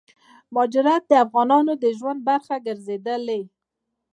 مهاجرت دافغانانو دژوند برخه ګرځيدلې